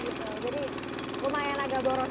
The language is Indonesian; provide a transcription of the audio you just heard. jadi lumayan agak boros bbm nya